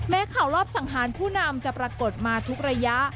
ข่าวรอบสังหารผู้นำจะปรากฏมาทุกระยะ